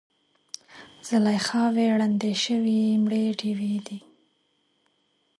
زلیخاوې ړندې شوي مړې ډیوې دي